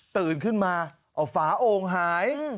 ตื่นขึ้นมาเอาฝาโอ่งหาย